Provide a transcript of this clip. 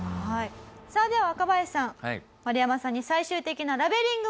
さあでは若林さんマルヤマさんに最終的なラベリングを。